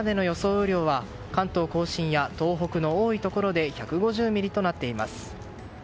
雨量は関東・甲信や東北の多いところで１５０ミリとなっています。